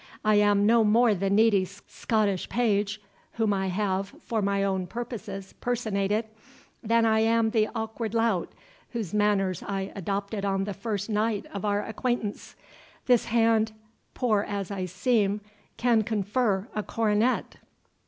I am no more the needy Scottish page, whom I have, for my own purposes, personated, than I am the awkward lout, whose manners I adopted on the first night of our acquaintance. This hand, poor as I seem, can confer a coronet."